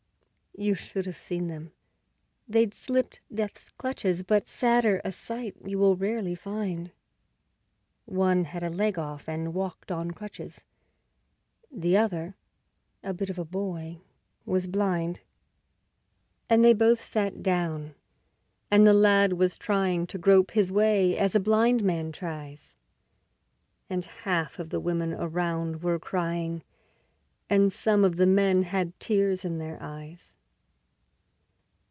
You should have seen them: they'd slipped death's clutches, But sadder a sight you will rarely find; One had a leg off and walked on crutches, The other, a bit of a boy, was blind. And they both sat down, and the lad was trying To grope his way as a blind man tries; And half of the women around were crying, And some of the men had tears in their eyes.